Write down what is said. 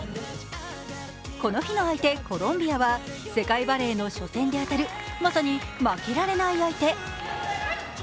この日の相手・コロンビアは世界バレーの初戦で当たるまさに負けられない相手。